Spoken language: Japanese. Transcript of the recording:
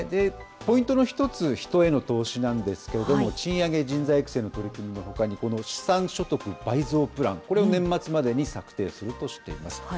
ポイントの１つ、人への投資なんですけれども、賃上げ、人材育成の取り組みのほかに、この資産所得倍増プラン、これを年末までに策定するとしています。